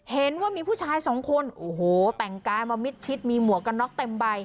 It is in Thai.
เห็นว่ามีผู้ชายสองคนโอ้โหแต่งกายมามิดชิดมีหมวกกันน็อกเต็มใบ